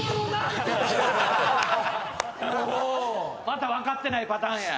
また分かってないパターンや。